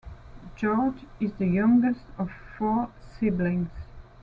George is the youngest of four siblings.